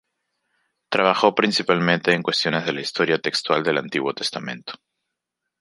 Trabajó principalmente en cuestiones de la historia textual del Antiguo Testamento.